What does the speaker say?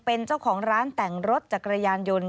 เป็นเจ้าของร้านแต่งรถจักรยานยนต์